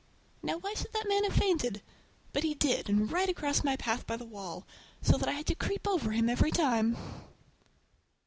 Now why should that man have fainted? But he did, and right across my path by the wall, so that I had to creep over him every time!